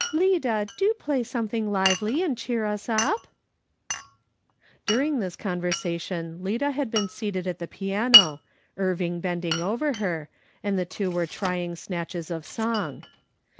Lida, do play something lively and cheer us up !" During this conversation Lida had been seated at the piano, Irving bending over her, and the two were trying snatches of song.